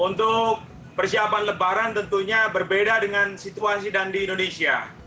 untuk persiapan lebaran tentunya berbeda dengan situasi dan di indonesia